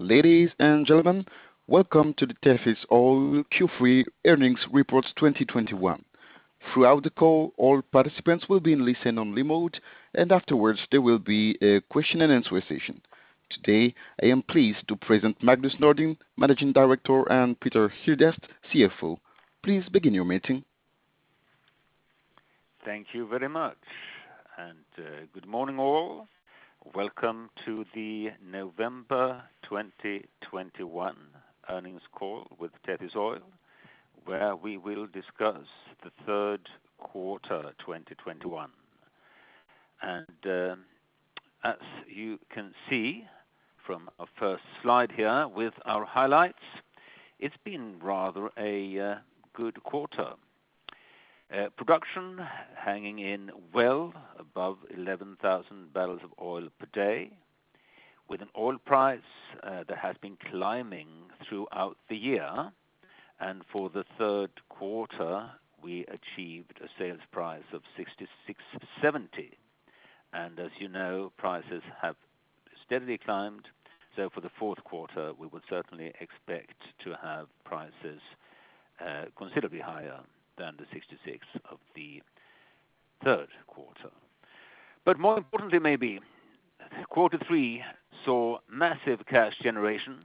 Ladies and gentlemen, welcome to the Tethys Oil Q3 earnings reports 2021. Throughout the call, all participants will be in listen only mode, and afterwards, there will be a question and answer session. Today, I am pleased to present Magnus Nordin, Managing Director, and Petter Hjertstedt, CFO. Please begin your meeting. Thank you very much. Good morning, all. Welcome to the November 2021 earnings call with Tethys Oil, where we will discuss the third quarter 2021. As you can see from our first slide here with our highlights, it's been rather a good quarter. Production hanging in well above 11,000 barrels of oil per day with an oil price that has been climbing throughout the year. For the third quarter, we achieved a sales price of $66.70. As you know, prices have steadily climbed. For the fourth quarter, we would certainly expect to have prices considerably higher than the $66 of the third quarter. More importantly, maybe, quarter three saw massive cash generation.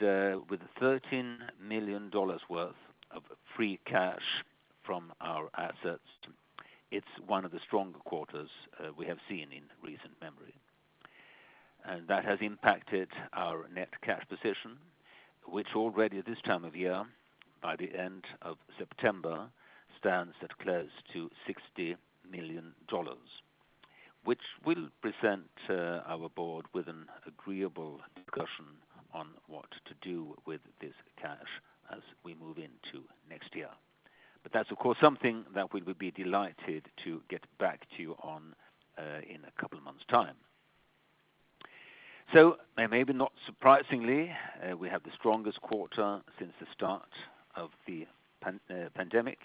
With $13 million worth of free cash from our assets, it's one of the stronger quarters we have seen in recent memory. That has impacted our net cash position, which already this time of year, by the end of September, stands at close to $60 million, which will present our board with an agreeable discussion on what to do with this cash as we move into next year. That's, of course, something that we would be delighted to get back to you on in a couple of months' time. Maybe not surprisingly, we have the strongest quarter since the start of the pandemic.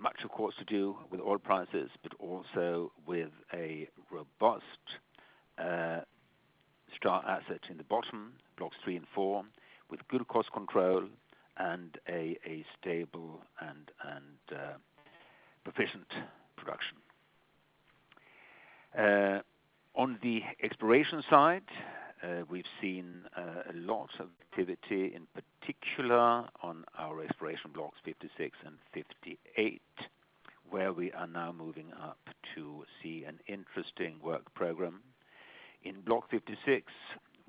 Much of course to do with oil prices, but also with a robust strong asset in the bottom Blocks 3 and 4 with good cost control and a stable and proficient production. On the exploration side we've seen a lot of activity in particular on our exploration Blocks 56 and 58 where we are now moving up to see an interesting work program. In Block 56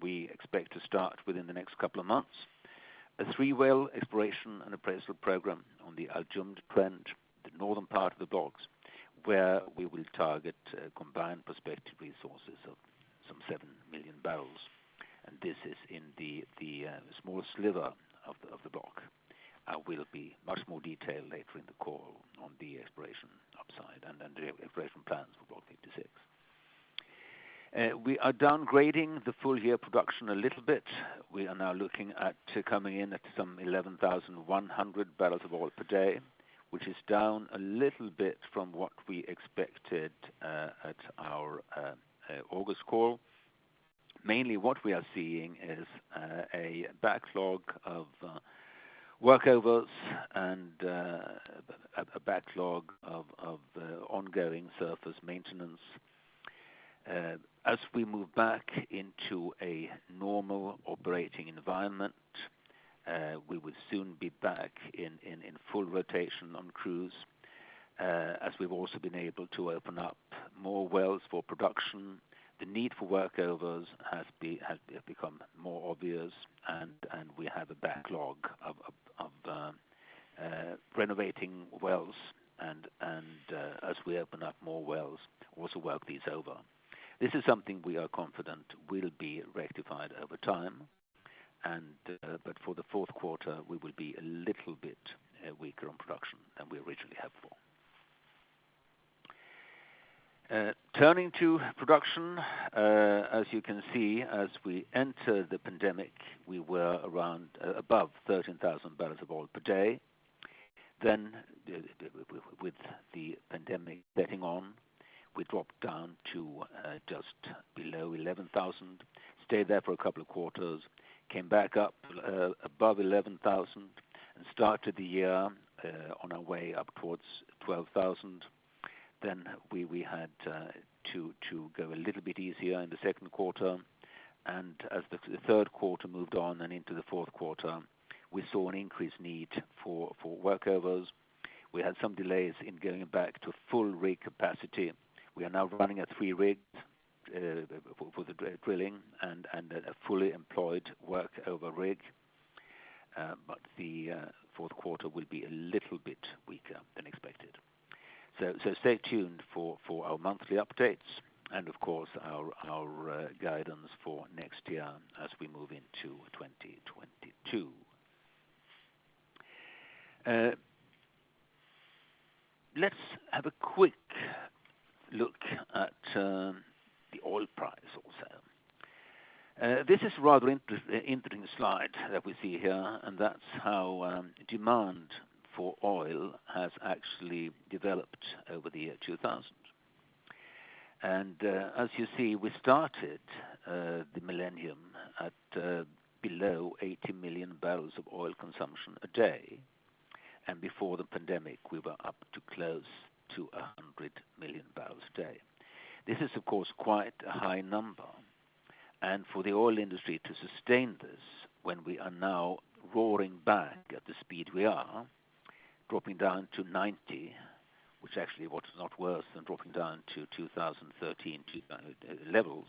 we expect to start within the next couple of months a 3-well exploration and appraisal program on the Al Jumd trend the northern part of the block where we will target combined prospective resources of some seven million barrels. This is in the small sliver of the block. There will be much more detail later in the call on the exploration upside and then the exploration plans for Block 56. We are downgrading the full year production a little bit. We are now looking at coming in at some 11,100 barrels of oil per day, which is down a little bit from what we expected at our August call. Mainly what we are seeing is a backlog of workovers and a backlog of ongoing surface maintenance. As we move back into a normal operating environment, we will soon be back in full rotation on crews. As we've also been able to open up more wells for production, the need for workovers has become more obvious and we have a backlog of renovating wells and, as we open up more wells, also work these over. This is something we are confident will be rectified over time. For the fourth quarter, we will be a little bit weaker on production than we originally had for. Turning to production, as you can see, as we enter the pandemic, we were around above 13,000 barrels of oil per day. With the pandemic setting on, we dropped down to just below 11,000, stayed there for a couple of quarters, came back up above 11,000 and started the year on our way up towards 12,000. We had to go a little bit easier in the second quarter. As the third quarter moved on and into the fourth quarter, we saw an increased need for workovers. We had some delays in getting back to full rig capacity. We are now running at three rigs for the drilling and a fully employed workover rig. The fourth quarter will be a little bit weaker than expected. Stay tuned for our monthly updates and of course our guidance for next year as we move into 2022. Let's have a quick look at the oil price. This is rather interesting slide that we see here, and that's how demand for oil has actually developed over the year 2000. As you see, we started the millennium at below 80 million barrels of oil consumption a day. Before the pandemic, we were up to close to 100 million barrels a day. This is of course quite a high number. For the oil industry to sustain this, when we are now roaring back at the speed we are, dropping down to 90, which actually what is not worse than dropping down to 2013, 2000 levels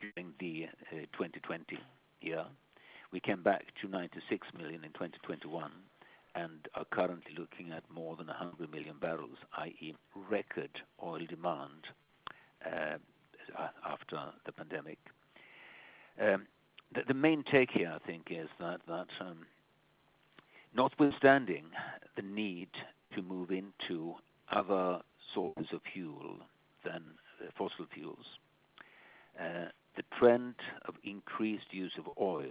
during the 2020 year. We came back to 96 million in 2021 and are currently looking at more than 100 million barrels, i.e. record oil demand, after the pandemic. The main take here I think is that, notwithstanding the need to move into other sources of fuel than fossil fuels, the trend of increased use of oil,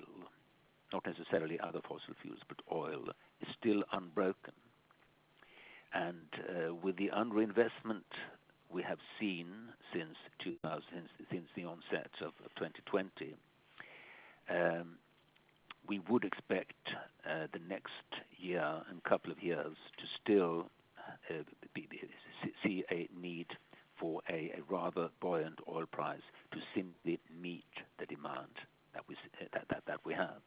not necessarily other fossil fuels, but oil, is still unbroken. With the underinvestment we have seen since the onset of 2020, we would expect the next year and couple of years to still see a need for a rather buoyant oil price to simply meet the demand that we have.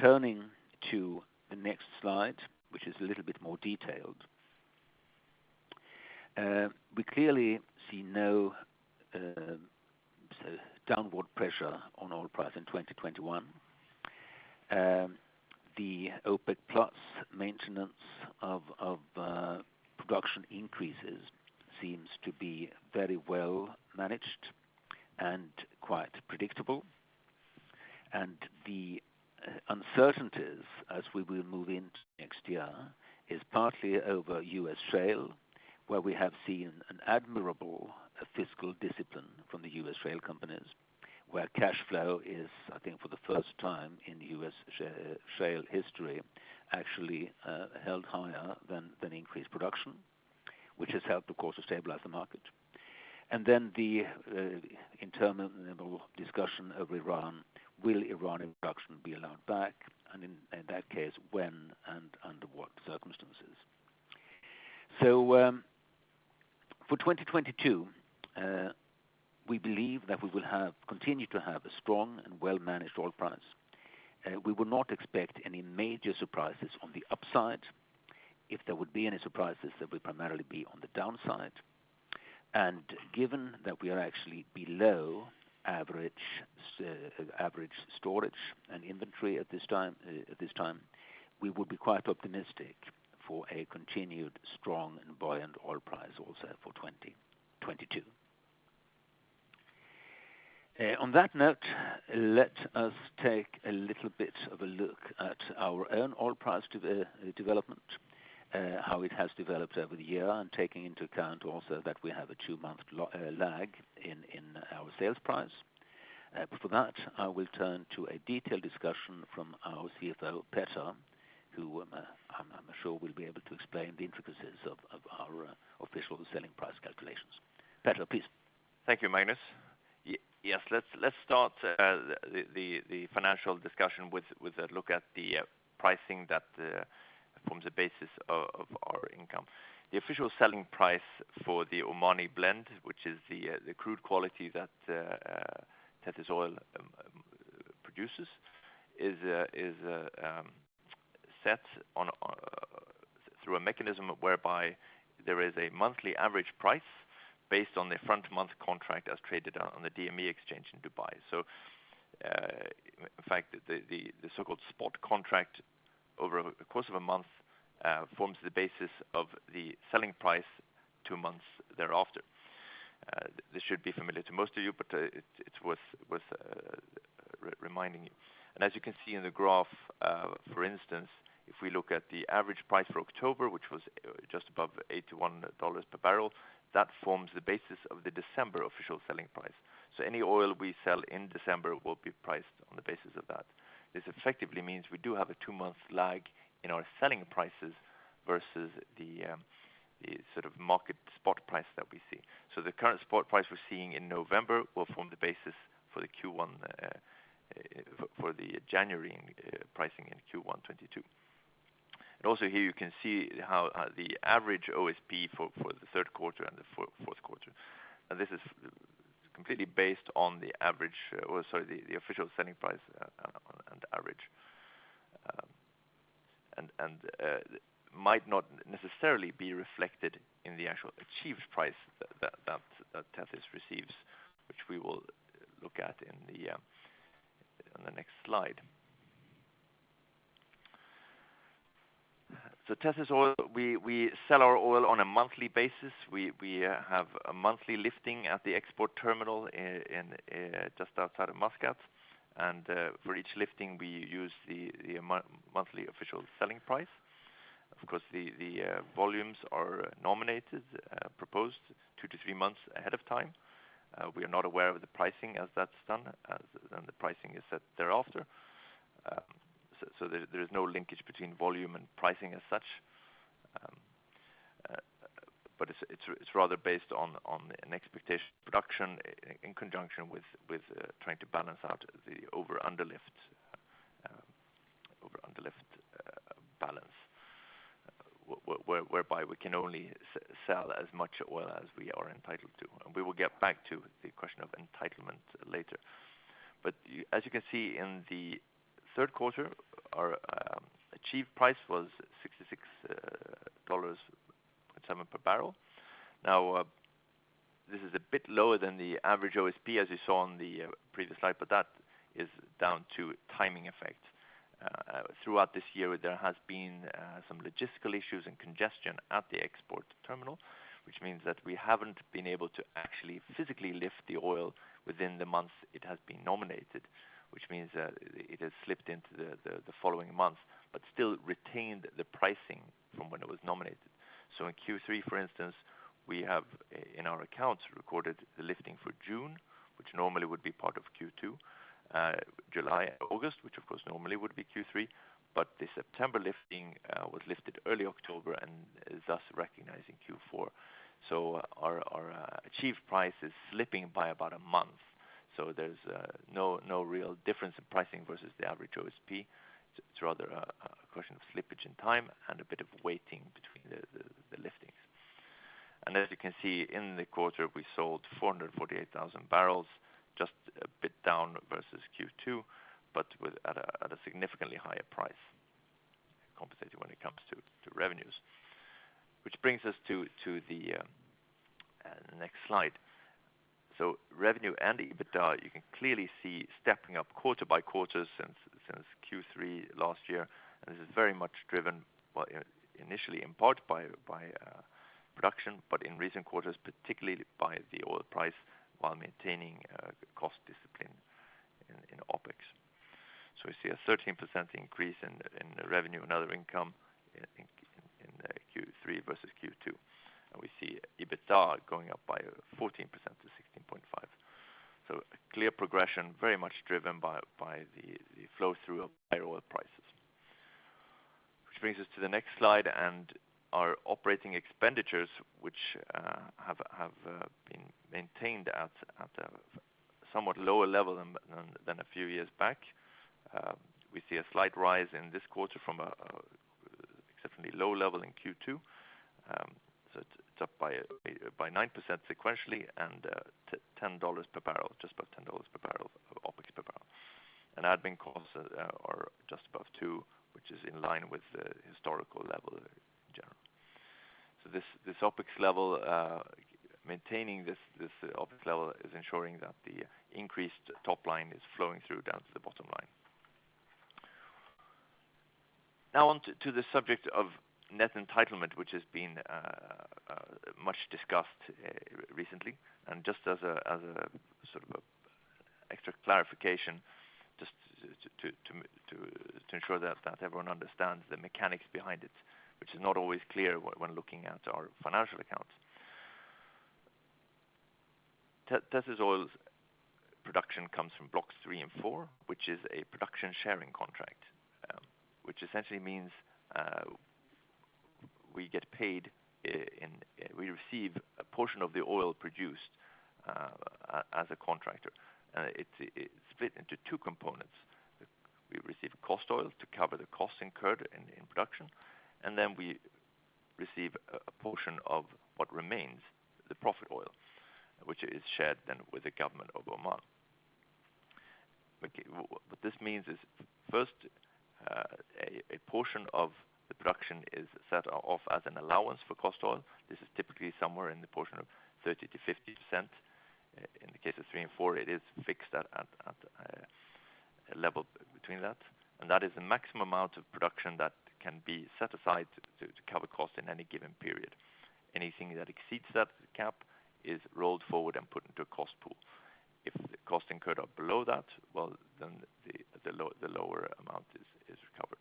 Turning to the next slide, which is a little bit more detailed. We clearly see no downward pressure on oil price in 2021. The OPEC+ maintenance of production increases seems to be very well managed and quite predictable. The uncertainties as we will move into next year is partly over U.S. shale, where we have seen an admirable fiscal discipline from the U.S. shale companies, where cash flow is, I think for the first time in U.S. shale history, actually, held higher than increased production, which has helped of course to stabilize the market. The interminable discussion of Iran, will Iran production be allowed back? In that case, when and under what circumstances? For 2022, we believe that we will continue to have a strong and well-managed oil price. We will not expect any major surprises on the upside. If there would be any surprises, that would primarily be on the downside. Given that we are actually below average storage and inventory at this time, we would be quite optimistic for a continued strong and buoyant oil price also for 2022. On that note, let us take a little bit of a look at our own oil price development, how it has developed over the year and taking into account also that we have a two-month lag in our sales price. I will turn to a detailed discussion from our CFO, Petter, who, I'm sure will be able to explain the intricacies of our official selling price calculations. Petter, please. Thank you, Magnus. Yes, let's start the financial discussion with a look at the pricing that forms the basis of our income. The official selling price for the Omani Blend, which is the crude quality that Tethys Oil produces, is set through a mechanism whereby there is a monthly average price based on the front month contract as traded on the DME exchange in Dubai. In fact, the so-called spot contract over a course of a month forms the basis of the selling price two months thereafter. This should be familiar to most of you, but it's worth reminding you. As you can see in the graph, for instance, if we look at the average price for October, which was just above $81 per barrel, that forms the basis of the December official selling price. Any oil we sell in December will be priced on the basis of that. This effectively means we do have a two-month lag in our selling prices versus the sort of market spot price that we see. The current spot price we're seeing in November will form the basis for the Q1 for the January pricing in Q1 2022. Also here you can see how the average OSP for the third quarter and the fourth quarter. This is completely based on the average, or sorry, the official selling price on average. might not necessarily be reflected in the actual achieved price that Tethys receives, which we will look at in the next slide. Tethys Oil, we sell our oil on a monthly basis. We have a monthly lifting at the export terminal in just outside of Muscat. For each lifting, we use the monthly official selling price. Of course, the volumes are nominated proposed 2-3 months ahead of time. We are not aware of the pricing as that's done, then the pricing is set thereafter. There is no linkage between volume and pricing as such. It's rather based on expected production in conjunction with trying to balance out the over-underlift balance whereby we can only sell as much oil as we are entitled to. We will get back to the question of entitlement later. As you can see in the third quarter, our achieved price was $66.7 per barrel. This is a bit lower than the average OSP as you saw on the previous slide, but that is down to timing effect. Throughout this year, there has been some logistical issues and congestion at the export terminal, which means that we haven't been able to actually physically lift the oil within the month it has been nominated, which means that it has slipped into the following month, but still retained the pricing from when it was nominated. In Q3, for instance, we have in our accounts recorded the lifting for June, which normally would be part of Q2, July, August, which of course normally would be Q3. The September lifting was lifted early October and is thus recognized in Q4. Our achieved price is slipping by about a month. There's no real difference in pricing versus the average OSP. It's rather a question of slippage in time and a bit of waiting between the liftings. As you can see in the quarter, we sold 448,000 barrels, just a bit down versus Q2, but with a significantly higher price compensated when it comes to revenues, which brings us to the next slide. Revenue and the EBITDA, you can clearly see stepping up quarter by quarter since Q3 last year. This is very much driven, well, initially in part by production, but in recent quarters, particularly by the oil price while maintaining cost discipline in OpEx. We see a 13% increase in the revenue and other income, I think in Q3 versus Q2. We see EBITDA going up by 14% to $16.5. A clear progression very much driven by the flow-through of higher oil prices. Which brings us to the next slide and our operating expenditures, which have been maintained at a somewhat lower level than a few years back. We see a slight rise in this quarter from an exceptionally low level in Q2. It's up by 9% sequentially and $10 per barrel, just above $10 per barrel, OpEx per barrel. Admin costs are just above $2, which is in line with the historical level in general. This OpEx level, maintaining this OpEx level is ensuring that the increased top line is flowing through down to the bottom line. Now on to the subject of net entitlement, which has been much discussed recently. Just as a sort of extra clarification, just to ensure that everyone understands the mechanics behind it, which is not always clear when looking at our financial accounts. Tethys Oil's production comes from Blocks 3 and 4, which is a production sharing contract, which essentially means we get paid and we receive a portion of the oil produced as a contractor. It's split into two components. We receive cost oil to cover the cost incurred in production, and then we receive a portion of what remains, the profit oil, which is shared then with the government of Oman. Okay, what this means is first, a portion of the production is set off as an allowance for cost oil. This is typically somewhere in the portion of 30%-50%. In the case of three and four, it is fixed at a level between that. That is the maximum amount of production that can be set aside to cover cost in any given period. Anything that exceeds that cap is rolled forward and put into a cost pool. If the costs incurred are below that, well, then the lower amount is recovered.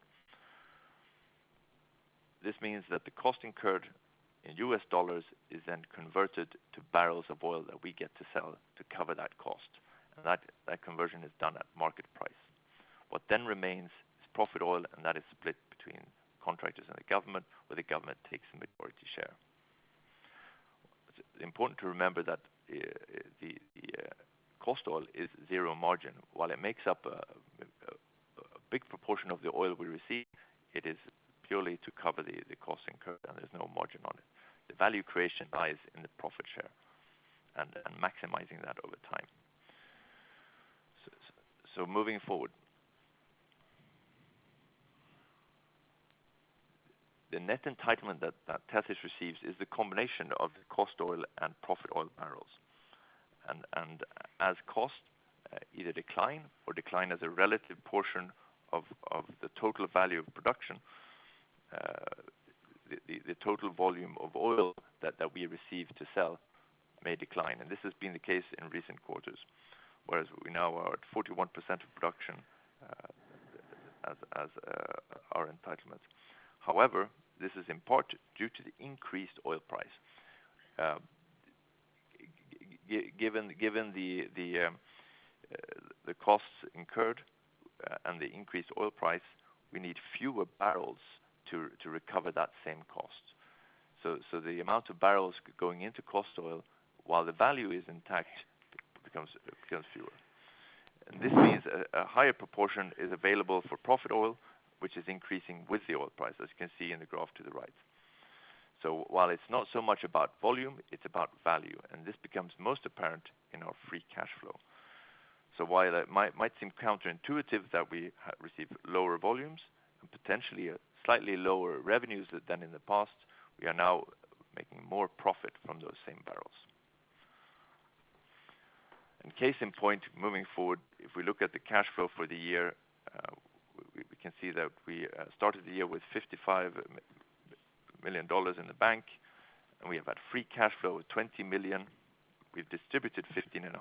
This means that the cost incurred in U.S. dollars is then converted to barrels of oil that we get to sell to cover that cost. That conversion is done at market price. What then remains is profit oil, and that is split between contractors and the government, where the government takes the majority share. It's important to remember that the cost oil is zero margin. While it makes up a big proportion of the oil we receive, it is purely to cover the costs incurred, and there's no margin on it. The value creation lies in the profit share and maximizing that over time. Moving forward. The net entitlement that Tethys receives is the combination of cost oil and profit oil barrels. As costs either decline or as a relative portion of the total value of production, the total volume of oil that we receive to sell may decline, and this has been the case in recent quarters, whereas we now are at 41% of production as our entitlement. However, this is in part due to the increased oil price. Given the costs incurred and the increased oil price, we need fewer barrels to recover that same cost. The amount of barrels going into cost oil while the value is intact becomes fewer. This means a higher proportion is available for profit oil, which is increasing with the oil price, as you can see in the graph to the right. While it's not so much about volume, it's about value, and this becomes most apparent in our free cash flow. While it might seem counterintuitive that we receive lower volumes and potentially slightly lower revenues than in the past, we are now making more profit from those same barrels. Case in point, moving forward, if we look at the cash flow for the year, we can see that we started the year with $55 million in the bank, and we have had free cash flow of $20 million. We've distributed $15.5 million,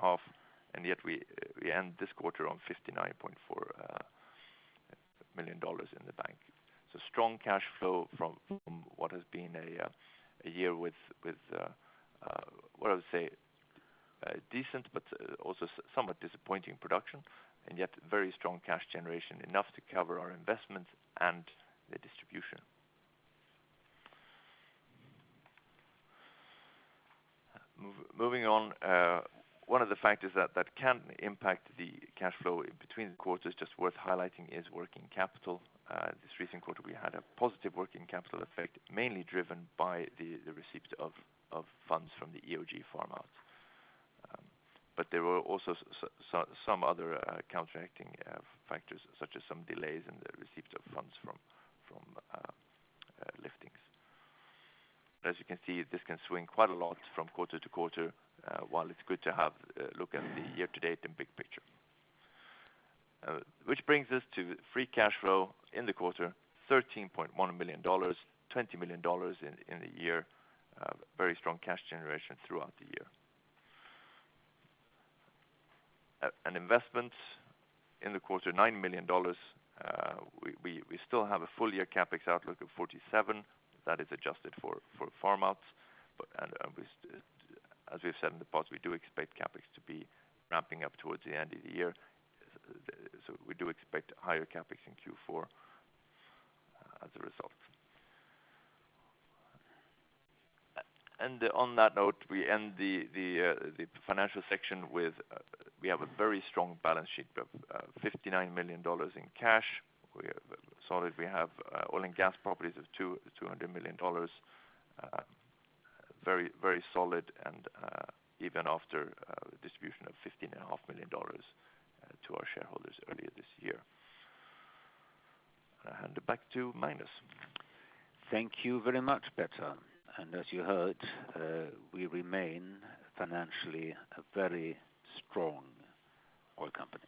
and yet we end this quarter on $59.4 million in the bank. Strong cash flow from what has been a year with what I would say decent, but also somewhat disappointing production and yet very strong cash generation, enough to cover our investments and the distribution. Moving on, one of the factors that can impact the cash flow between the quarters, just worth highlighting, is working capital. This recent quarter, we had a positive working capital effect, mainly driven by the receipt of funds from the EOG farmout. There were also some other counteracting factors, such as some delays in the receipt of funds from liftings. As you can see, this can swing quite a lot from quarter to quarter. While it's good to have a look at the year-to-date and big picture. Which brings us to free cash flow in the quarter, $13.1 million, $20 million in a year. Very strong cash generation throughout the year. Investment in the quarter, $9 million. We still have a full-year CapEx outlook of $47 million. That is adjusted for farm outs. As we've said in the past, we do expect CapEx to be ramping up towards the end of the year. We do expect higher CapEx in Q4 as a result. On that note, we end the financial section with a very strong balance sheet of $59 million in cash. We have solid oil and gas properties of $200 million. Very solid and even after the distribution of $15.5 million to our shareholders earlier this year. I hand it back to Magnus. Thank you very much, Petter. As you heard, we remain financially a very strong oil company.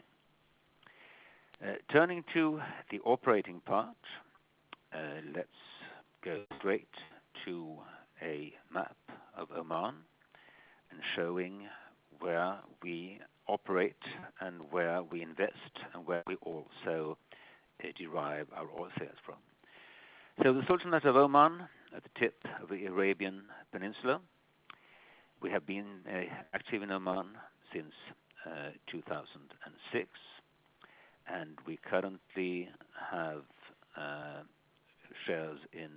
Turning to the operating part, let's go straight to a map of Oman and showing where we operate and where we invest and where we also derive our oil sales from. The Sultanate of Oman at the tip of the Arabian Peninsula, we have been active in Oman since 2006, and we currently have shares in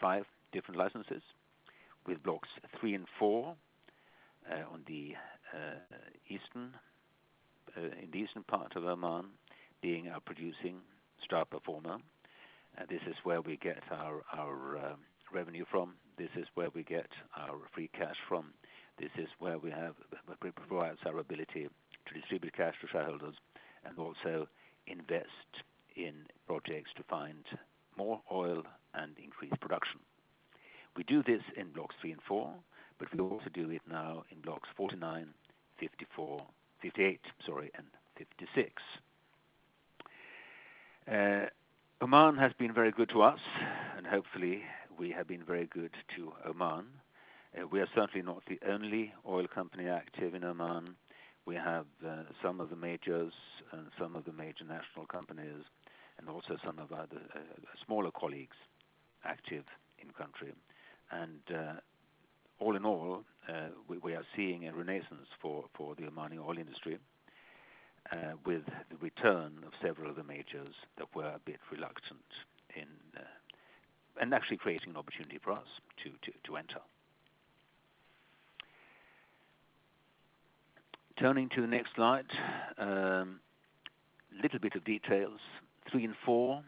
five different licenses with Blocks 3 and 4 on the eastern part of Oman being our producing star performer. This is where we get our revenue from, this is where we get our free cash from, this is where we have... It provides our ability to distribute cash to shareholders and also invest in projects to find more oil and increase production. We do this in Block 3 and 4, but we also do it now in Block 49, 54, 58, sorry, and 56. Oman has been very good to us, and hopefully, we have been very good to Oman. We are certainly not the only oil company active in Oman. We have some of the majors and some of the major national companies and also some of our other smaller colleagues active in country. All in all, we are seeing a renaissance for the Omani oil industry with the return of several of the majors that were a bit reluctant in. Actually creating an opportunity for us to enter. Turning to the next slide, little bit of details. Blocks 3 and 4,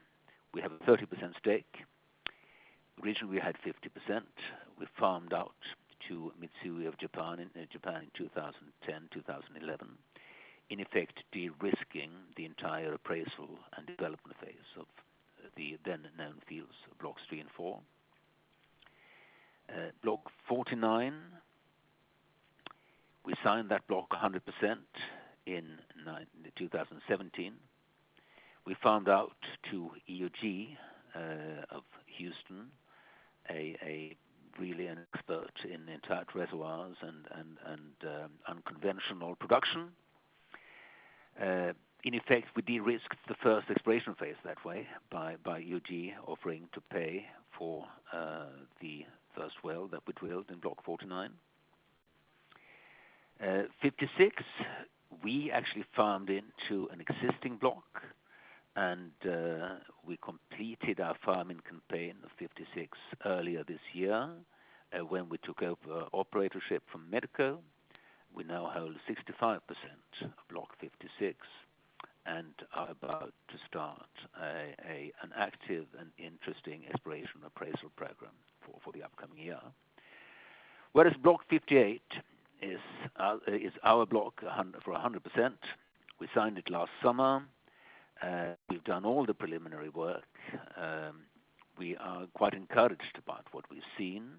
we have a 30% stake. Originally, we had 50%. We farmed out to Mitsui of Japan in Japan in 2010, 2011. In effect, de-risking the entire appraisal and development phase of the then-known fields, Blocks 3 and 4. Block 49. We signed that block 100% in 2017. We farmed out to EOG of Houston, a really an expert in the entire reservoirs and unconventional production. In effect, we de-risked the first exploration phase that way by EOG offering to pay for the first well that we drilled in Block 49. 56, we actually farmed into an existing block, and we completed our farming campaign of 56 earlier this year, when we took over operatorship from Medco. We now hold 65% of Block 56 and are about to start an active and interesting exploration appraisal program for the upcoming year. Whereas Block 58 is our block for 100%. We signed it last summer. We've done all the preliminary work. We are quite encouraged about what we've seen,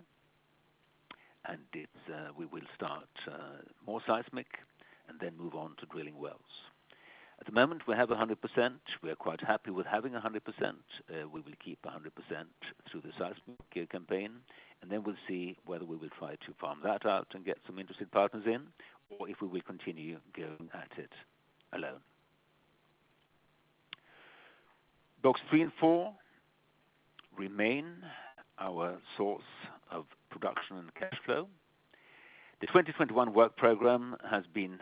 and we will start more seismic and then move on to drilling wells. At the moment, we have 100%. We are quite happy with having 100%. We will keep 100% through the seismic campaign, and then we'll see whether we will try to farm that out and get some interested partners in or if we will continue going at it alone. Blocks 3 and 4 remain our source of production and cash flow. The 2021 work program has been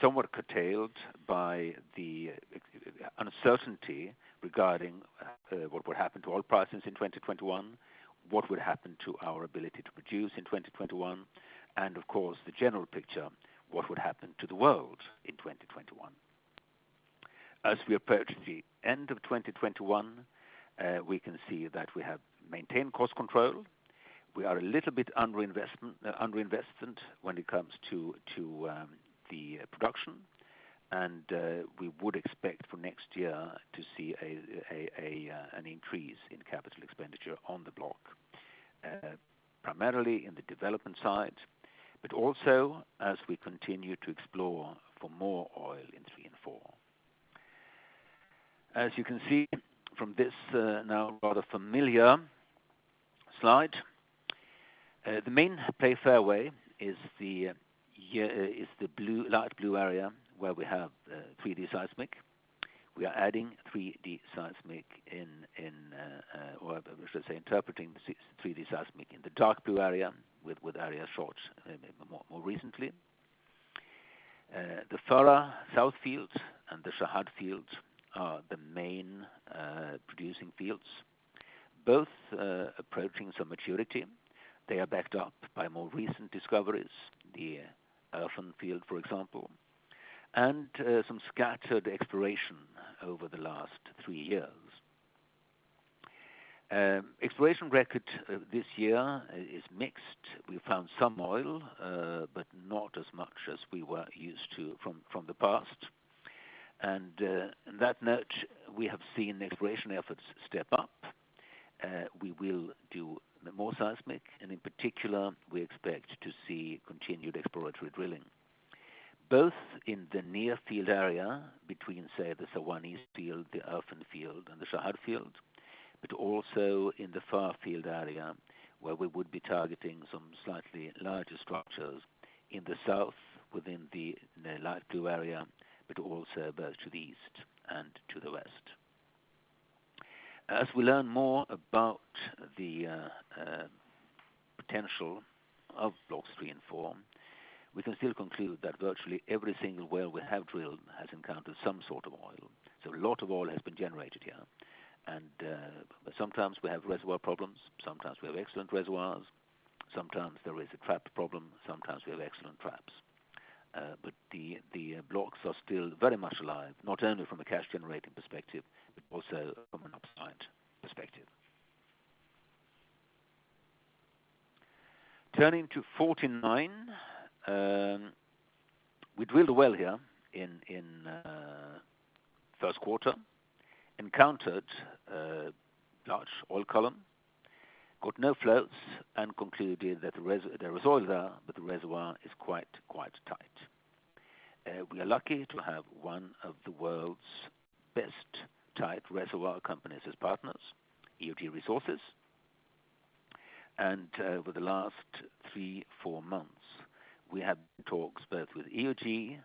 somewhat curtailed by the uncertainty regarding what would happen to oil prices in 2021, what would happen to our ability to produce in 2021, and of course, the general picture, what would happen to the world in 2021. As we approach the end of 2021, we can see that we have maintained cost control. We are a little bit under-invested when it comes to the production, and we would expect for next year to see an increase in capital expenditure on the block, primarily in the development side, but also as we continue to explore for more oil in 3 and 4. As you can see from this now rather familiar slide, the main pay fairway is the blue, light blue area where we have 3D seismic. We are adding 3D seismic in, or I should say interpreting 3D seismic in the dark blue area with area shots more recently. The Farha South field and the Shahd field are the main producing fields, both approaching some maturity. They are backed up by more recent discoveries, the Erfan field, for example, and some scattered exploration over the last three years. Exploration record this year is mixed. We found some oil, but not as much as we were used to from the past. On that note, we have seen exploration efforts step up. We will do more seismic, and in particular, we expect to see continued exploratory drilling, both in the near field area between, say, the Sawani field, the Erfan field, and the Shahd field, but also in the far field area, where we would be targeting some slightly larger structures in the south within the light blue area, but also both to the east and to the west. As we learn more about the potential of Blocks 3 and 4, we can still conclude that virtually every single well we have drilled has encountered some sort of oil, so a lot of oil has been generated here. Sometimes we have reservoir problems, sometimes we have excellent reservoirs. Sometimes there is a trap problem, sometimes we have excellent traps. The blocks are still very much alive, not only from a cash generating perspective, but also from an upside perspective. Turning to 49, we drilled a well here in first quarter, encountered large oil column, got no flows and concluded that there is oil there, but the reservoir is quite tight. We are lucky to have one of the world's best tight reservoir companies as partners, EOG Resources. Over the last 3-4 months, we had talks both with EOG,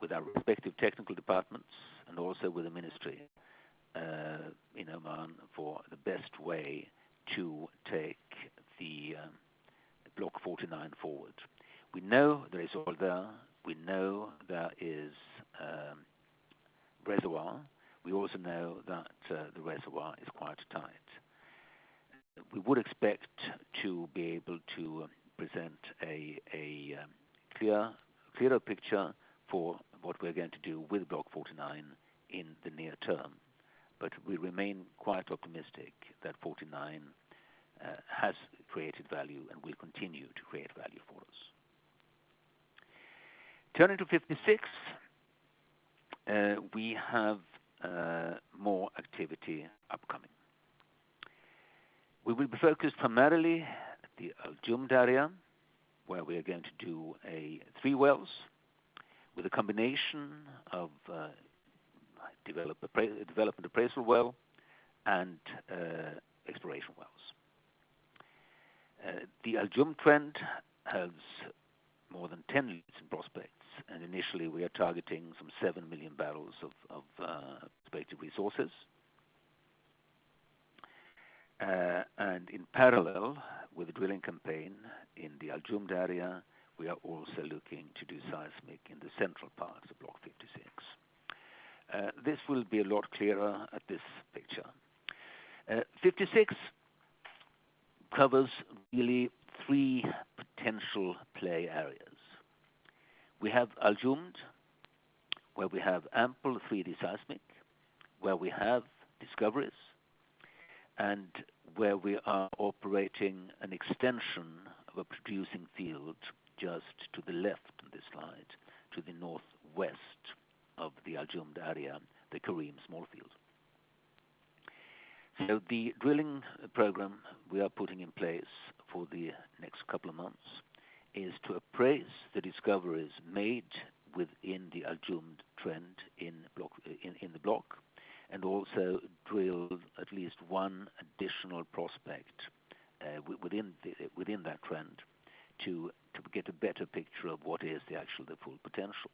with our respective technical departments, and also with the ministry in Oman for the best way to take the Block 49 forward. We know there is oil there. We know there is reservoir. We also know that the reservoir is quite tight. We would expect to be able to present a clearer picture for what we're going to do with Block 49 in the near term, but we remain quite optimistic that 49 has created value and will continue to create value for us. Turning to 56, we have more activity upcoming. We will be focused primarily at the Al Jumd area, where we are going to do three wells with a combination of develop an appraisal well and exploration wells. The Al Jumd trend has more than 10 leads and prospects, and initially we are targeting some seven million barrels of prospective resources. In parallel with the drilling campaign in the Al Jumd area, we are also looking to do seismic in the central parts of Block 56. This will be a lot clearer in this picture. 56 covers really three potential play areas. We have Al Jumd, where we have ample 3D seismic, where we have discoveries, and where we are operating an extension of a producing field just to the left of this slide, to the northwest of the Al Jumd area, the Karim Small Fields. The drilling program we are putting in place for the next couple of months is to appraise the discoveries made within the Al Jumd trend in the block, and also drill at least one additional prospect within that trend to get a better picture of what is the actual, the full potential.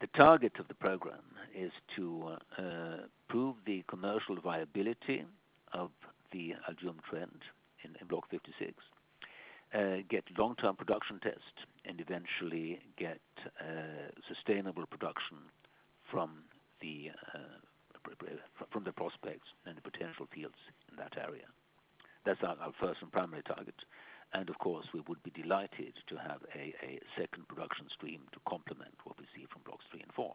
The target of the program is to prove the commercial viability of the Al Jumd trend in Block 56, get long-term production test, and eventually get sustainable production from the prospects and the potential fields in that area. That's our first and primary target. Of course, we would be delighted to have a second production stream to complement what we see from Blocks 3 and 4.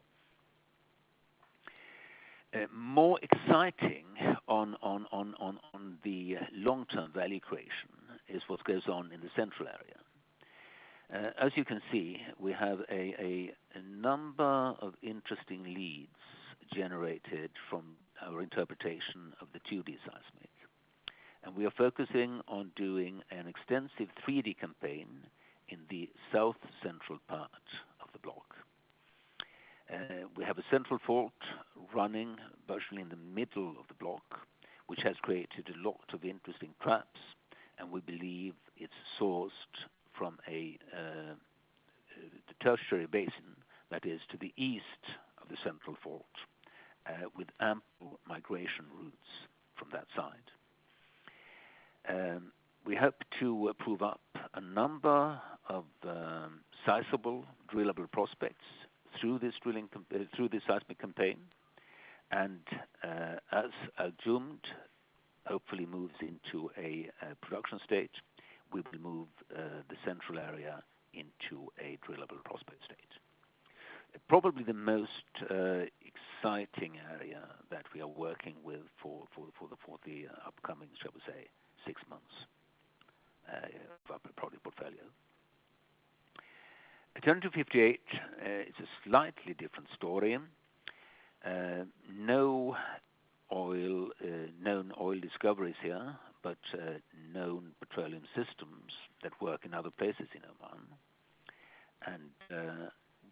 More exciting on the long-term value creation is what goes on in the central area. As you can see, we have a number of interesting leads generated from our interpretation of the 2D seismic, and we are focusing on doing an extensive 3D campaign in the south-central part of the block. We have a central fault running virtually in the middle of the block, which has created a lot of interesting traps, and we believe it's sourced from the Tertiary Basin, that is to the east of the central fault, with ample migration routes from that side. We hope to prove up a number of sizable drillable prospects through this seismic campaign. As Al Jumd hopefully moves into a production state, we will move the central area into a drillable prospect state. Probably the most exciting area that we are working with for the upcoming, shall we say, six months of our prospect portfolio. Turning to 58, it's a slightly different story. No known oil discoveries here, but known petroleum systems that work in other places in Oman.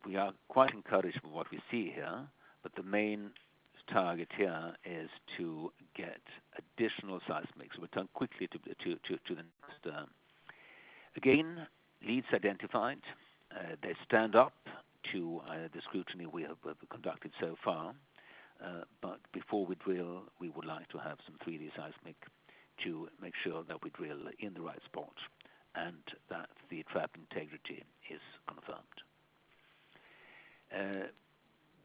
We are quite encouraged with what we see here, but the main target here is to get additional seismic. We turn quickly to the next. Again, leads identified. They stand up to the scrutiny we have conducted so far. Before we drill, we would like to have some 3D seismic to make sure that we drill in the right spot and that the trap integrity is confirmed.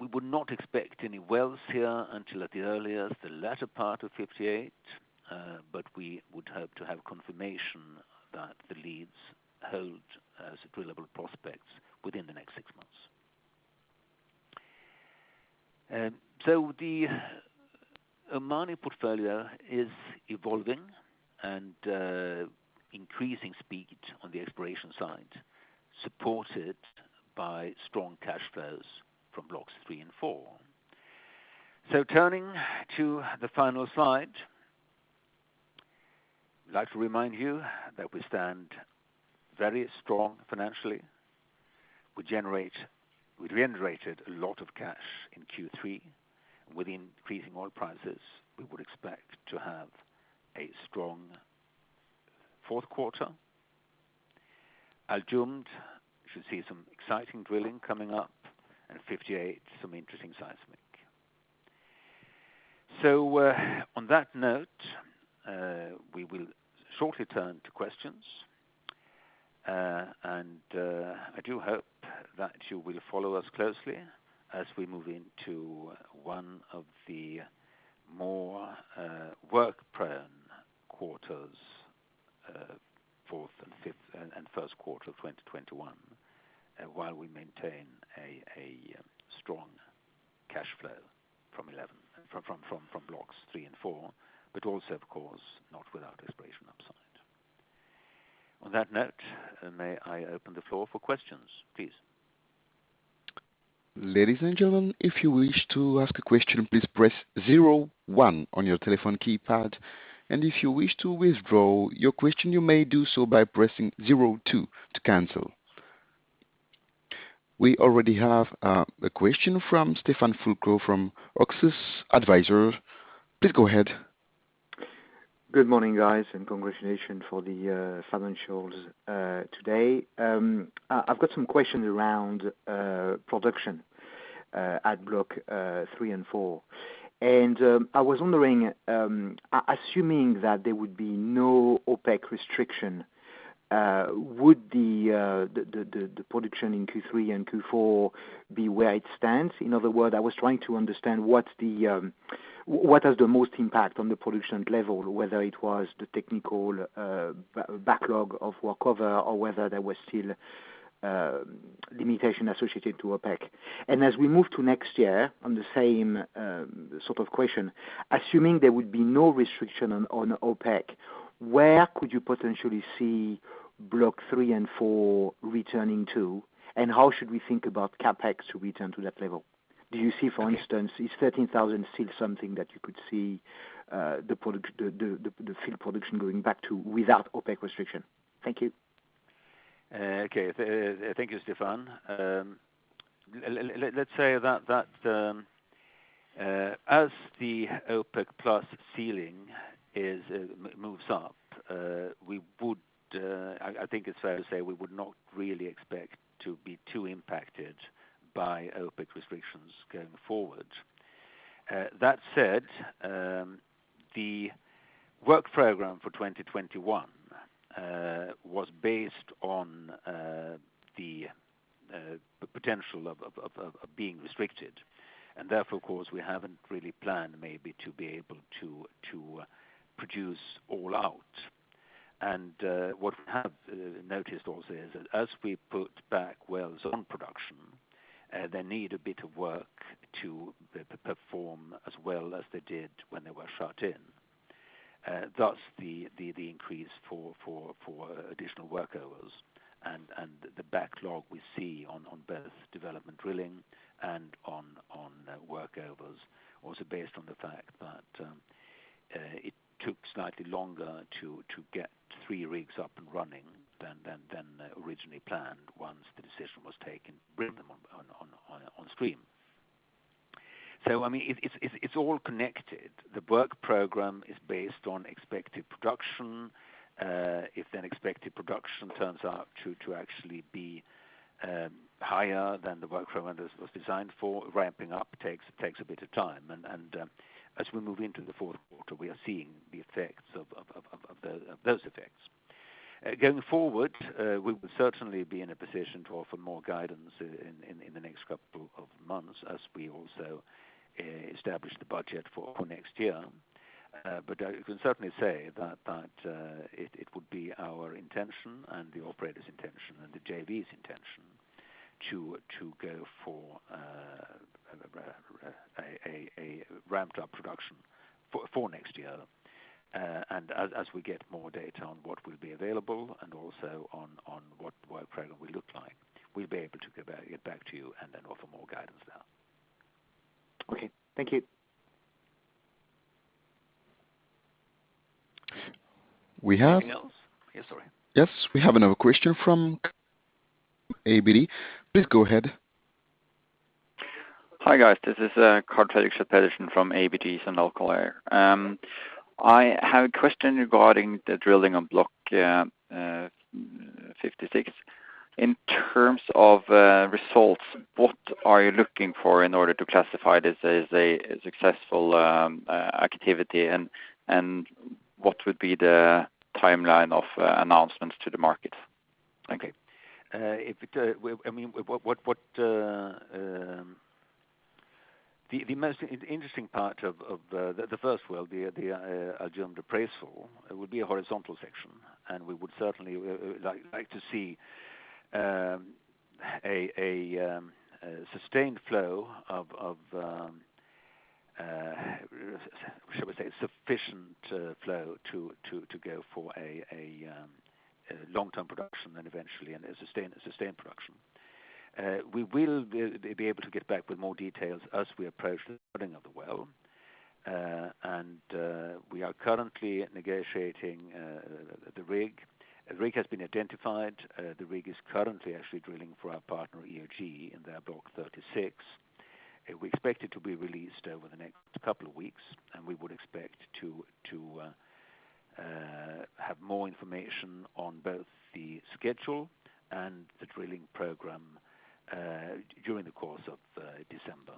We would not expect any wells here until at the earliest, the latter part of 58, but we would hope to have confirmation that the leads hold as drillable prospects within the next six months. The Omani portfolio is evolving and increasing speed on the exploration side, supported by strong cash flows from blocks 3 and 4. Turning to the final slide. I'd like to remind you that we stand very strong financially. We generated a lot of cash in Q3. With increasing oil prices, we would expect to have a strong fourth quarter. Al Jumd should see some exciting drilling coming up, and 58, some interesting seismic. On that note, we will shortly turn to questions. I do hope that you will follow us closely as we move into one of the more work-prone quarters, fourth and fifth, and first quarter of 2021, while we maintain a strong cash flow from Blocks 3 and 4, but also, of course, not without risk. On that note, may I open the floor for questions, please? Ladies and gentlemen, if you wish to ask a question, please press zero one on your telephone keypad, and if you wish to withdraw your question, you may do so by pressing zero two to cancel. We already have a question from Stefan Fulga from Oxus Advisors. Please go ahead. Good morning, guys, and congratulations for the financials today. I've got some questions around production at Block 3 and 4. I was wondering, assuming that there would be no OPEC restriction, would the production in Q3 and Q4 be where it stands? In other words, I was trying to understand what has the most impact on the production level, whether it was the technical backlog of workover or whether there was still limitation associated to OPEC. As we move to next year on the same sort of question, assuming there would be no restriction on OPEC, where could you potentially see Block 3 and 4 returning to, and how should we think about CapEx to return to that level? Do you see, for instance, is 13,000 still something that you could see, the field production going back to without OPEC restriction? Thank you. Okay. Thank you, Stefan. Let's say that as the OPEC+ ceiling moves up, we would, I think it's fair to say we would not really expect to be too impacted by OPEC restrictions going forward. That said, the work program for 2021 was based on the potential of being restricted. Therefore, of course, we haven't really planned maybe to be able to produce all out. What we have noticed also is that as we put back wells on production, they need a bit of work to perform as well as they did when they were shut in. Thus the increase for additional workovers and the backlog we see on both development drilling and on workovers also based on the fact that it took slightly longer to get three rigs up and running than originally planned once the decision was taken to bring them on stream. I mean, it's all connected. The work program is based on expected production. If then expected production turns out to actually be higher than the work program was designed for, ramping up takes a bit of time. As we move into the fourth quarter, we are seeing the effects of those effects. Going forward, we will certainly be in a position to offer more guidance in the next couple of months as we also establish the budget for next year. I can certainly say that it would be our intention and the operator's intention and the JV's intention to go for a ramped up production for next year. As we get more data on what will be available and also on what work program will look like, we'll be able to get back to you and then offer more guidance there. Okay. Thank you. We have- Anything else? Yeah, sorry. Yes, we have another question from ABG. Please go ahead. Hi, guys. This is Karl-Erik Petersson from ABG Sundal Collier. I have a question regarding the drilling on Block 56. In terms of results, what are you looking for in order to classify this as a successful activity and what would be the timeline of announcements to the market? The most interesting part of the first well, the Al Jumd appraisal, it would be a horizontal section, and we would certainly like to see a sustained flow of, shall we say, sufficient flow to go for a long-term production and eventually a sustained production. We will be able to get back with more details as we approach the starting of the well. We are currently negotiating the rig. The rig has been identified. The rig is currently actually drilling for our partner, EOG, in their Block 36. We expect it to be released over the next couple of weeks, and we would expect to have more information on both the schedule and the drilling program during the course of December.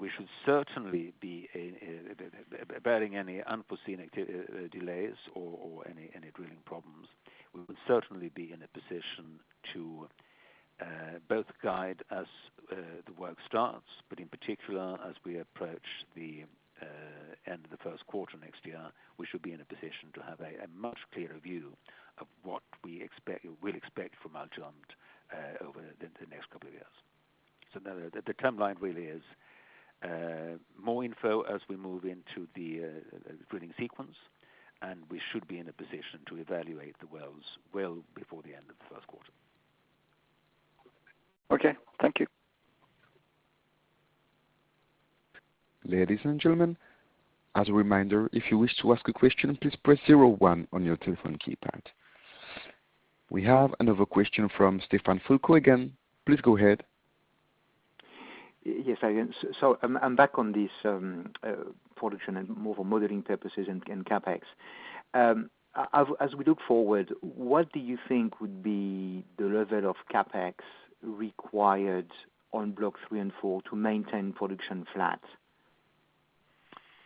We should certainly be able, barring any unforeseen delays or any drilling problems, to both guide as the work starts, but in particular, as we approach the end of the first quarter next year, we should be in a position to have a much clearer view of what we expect from Al Jumd over the next couple of years. No, the timeline really is more info as we move into the drilling sequence, and we should be in a position to evaluate the wells well before the end of the first quarter. Okay, thank you. We have another question from Stefan Fulga again. Please go ahead. Yes, I am. I'm back on this production and more for modeling purposes and CapEx. As we look forward, what do you think would be the level of CapEx required on Block 3 and 4 to maintain production flat?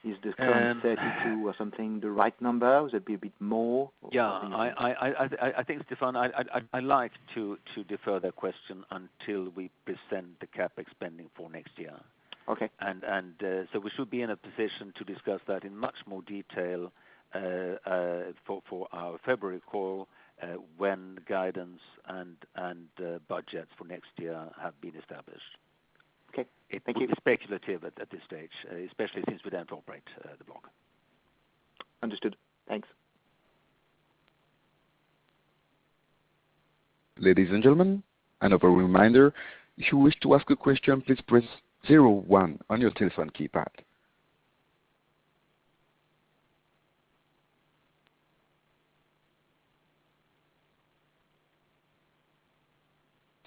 Is the current 32 or something the right number? Would it be a bit more? Yeah. I think, Stefan, I'd like to defer that question until we present the CapEx spending for next year. Okay. We should be in a position to discuss that in much more detail for our February call, when guidance and budgets for next year have been established. Okay. Thank you. It would be speculative at this stage, especially since we don't operate the block. Understood. Thanks. Ladies and gentlemen, another reminder, if you wish to ask a question, please press zero one on your telephone keypad.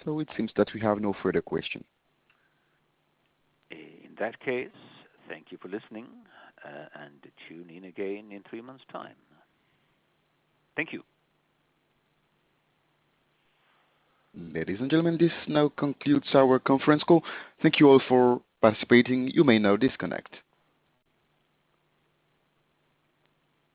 It seems that we have no further question. In that case, thank you for listening, and tune in again in three months time. Thank you. Ladies and gentlemen, this now concludes our conference call. Thank you all for participating. You may now disconnect.